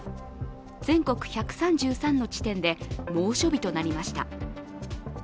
全国１３３の地点で猛暑日となりました。